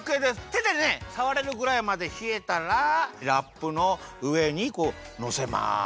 てでねさわれるぐらいまでひえたらラップのうえにのせます。